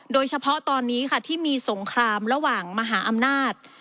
โดยเฉพาะตอนนี้ค่ะที่มีสงครามระหว่างมหาอำนาจ